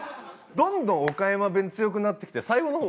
どんどん岡山弁強くなってきて最後の方